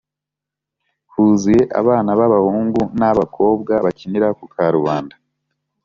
huzuye abana b abahungu n ab abakobwa bakinira ku karubanda